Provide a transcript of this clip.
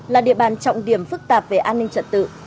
là địa bàn trọng điểm phức tạp về an ninh trật tự